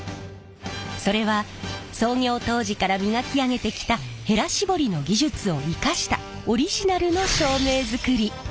それは創業当時から磨き上げてきたへら絞りの技術を生かしたオリジナルの照明づくり。